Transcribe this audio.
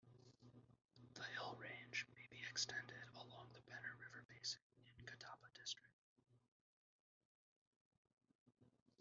The Hill range may be extended along the Penner River basin in Kadapa district.